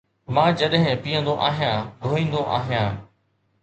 مان جڏهن پيئندو آهيان ڌوئيندو آهيان